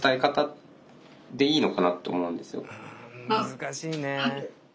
難しいね。